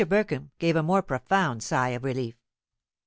Burkham gave a more profound sigh of relief.